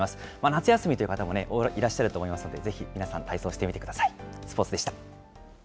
夏休みという方もいらっしゃると思いますので、ぜひ皆さん体操してみてください。